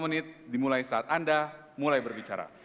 sepuluh menit dimulai saat anda mulai berbicara